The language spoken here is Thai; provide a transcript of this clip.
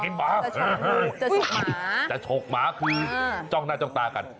หมาจะฉกหมาคือจ้องหน้าจ้องตากัน